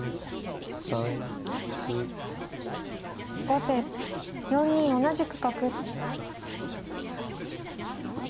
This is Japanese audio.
後手４二同じく角。